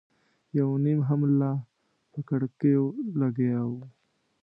یو نيم هم لا په کړکيو لګیا و.